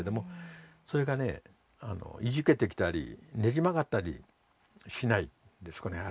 それがねいじけてきたりねじ曲がったりしないでそこにある。